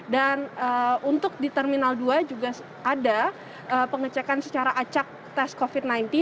dan untuk di terminal dua juga ada pengecekan secara acak tes covid sembilan belas